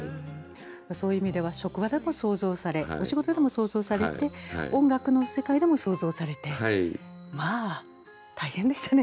そういう意味では職場でも創造されお仕事でも創造されて音楽の世界でも創造されてまあ大変でしたね。